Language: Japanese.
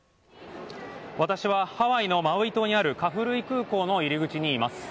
私はハワイのマウイ島にあるカフルイ空港の入り口にいます。